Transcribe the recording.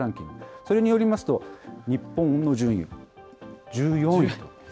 それによりますと日本の順位、１４位。